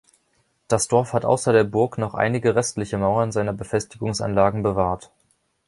Das Dorf hat außer der Burg noch einige restliche Mauern seiner Befestigungsanlagen bewahrt.